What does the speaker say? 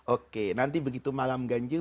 oke nanti begitu malam ganjil